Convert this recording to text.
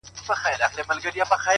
اوس په ځان پوهېږم چي مين يمه ـ